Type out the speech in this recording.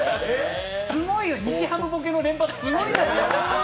すごいよ、日ハムボケの連発、すごいんだから。